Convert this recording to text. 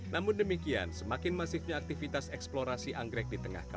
namun demikian semakin masifnya aktivitas eksplorasi anggrek di tengah tengah